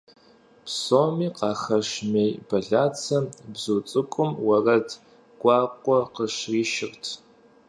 Псоми къахэщ мей бэлацэм бзу цӀыкӀум уэрэд гуакӀуэ къыщришырт.